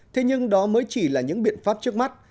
thế nhưng đó mới chỉ là những biện pháp trước mắt